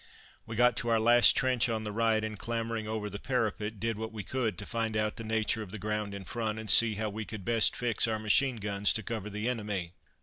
We got to our last trench on the right, and clambering over the parapet, did what we could to find out the nature of the ground in front, and see how we could best fix our machine guns to cover the enemy.